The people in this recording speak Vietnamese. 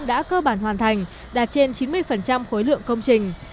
đã cơ bản hoàn thành đạt trên chín mươi khối lượng công trình